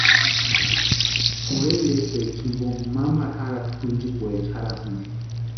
Pʼorhe iretaecha jimpo mamaru jarhati kwʼinchikwaecha jarhasïnti.